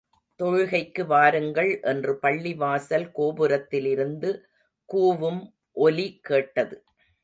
தொழுகைக்கு வாருங்கள் என்று பள்ளிவாசல் கோபுரத்திலிருந்து கூவும் ஒலி கேட்டது.